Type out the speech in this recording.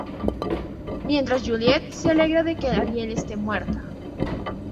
Mientras Juliette se alegra de que Ariel este muerta.